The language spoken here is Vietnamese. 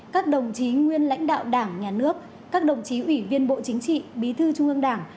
các đồng chí nguyên lãnh đạo đảng nhà nước các đồng chí ủy viên bộ chính trị bí thư trung ương đảng